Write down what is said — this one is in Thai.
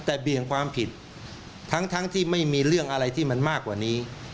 แต่เบี่ยงความผิดทั้งที่ไม่มีเรื่องอะไรที่มันมากกว่านี้